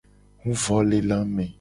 Huvolelame.